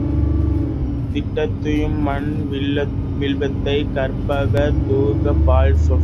திட்டத்துய்மன் வில்வித்தை கற்கத் துரோணன் பால் சென்றான்.